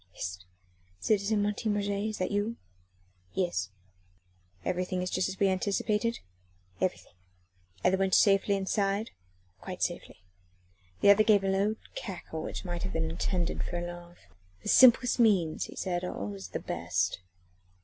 "Hist! citizen Martin Roget, is that you?" "Yes." "Everything just as we anticipated?" "Everything." "And the wench safely inside?" "Quite safely." The other gave a low cackle, which might have been intended for a laugh. "The simplest means," he said, "are always the best."